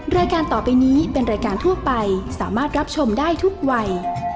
รายการต่อไปนี้เป็นรายการทั่วไปสามารถรับชมได้ทุกวัย